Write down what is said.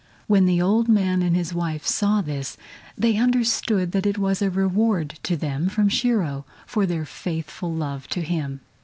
When the old man and his wife saw this, they understood that it was a reward to them from Shiro for their faithful love to him.